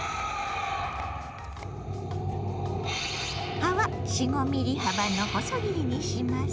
葉は４５ｍｍ幅の細切りにします。